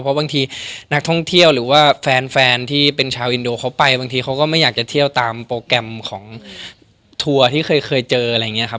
เพราะบางทีนักท่องเที่ยวหรือว่าแฟนที่เป็นชาวอินโดเขาไปบางทีเขาก็ไม่อยากจะเที่ยวตามโปรแกรมของทัวร์ที่เคยเจออะไรอย่างนี้ครับ